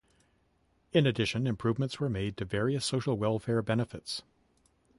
In addition, improvements were made to various social welfare benefits.